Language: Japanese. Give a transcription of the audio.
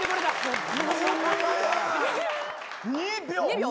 ２秒？